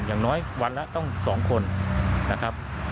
อย่างน้อยวันละต้อง๒คนนะครับ